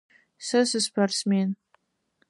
Сэ сыспортсмен.